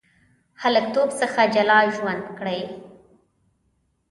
هلکتوب څخه جلا ژوند کړی.